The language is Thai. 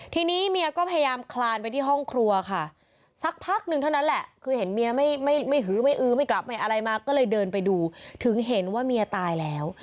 ทีนี้เมียก็พยายามคลานไปที่ห้องครัวค่ะสักพักนึงเท่านั้นแหละคือเห็นเมียไม่หือไม่อื้อไม่กลับไม่อะไรมาก็เลยเดินไปดูถึงเห็นว่าเมียตายแล้ว